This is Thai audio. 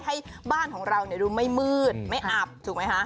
ให้บ้านของเราดูไม่มืดไม่อับถูกไหมคะ